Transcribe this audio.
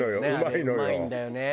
あれうまいんだよねえ。